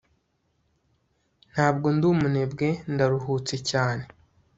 ntabwo ndi umunebwe, ndaruhutse cyane